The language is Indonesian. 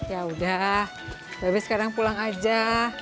yaudah bebe sekarang pulang aja